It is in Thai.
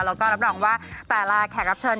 แล้วก็รับรองว่าแต่ละแขกรับเชิญ